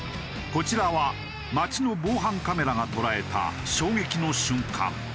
こちらは街の防犯カメラが捉えた衝撃の瞬間。